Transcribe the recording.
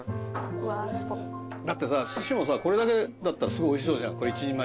だってさすしもこれだけだったらすごいおいしそうじゃんこれ１人前で。